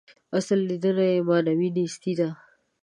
اصل لېدنه یې معنوي نیستي ده.